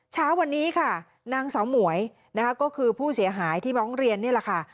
เช้าวันนี้ค่ะนางสาวหมวยนะคะก็คือผู้เสียหายที่ร้องเรียนนี่แหละค่ะ